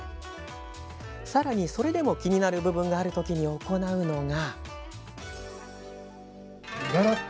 さらに、それでも気になる部分があるときに行うのが。